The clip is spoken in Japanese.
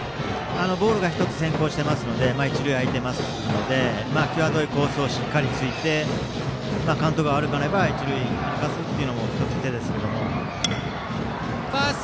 ボールが１つ先行して一塁が空いていますので際どいコースをしっかりついてカウントが悪くなければ一塁に歩かすというのも１つ手ですけども。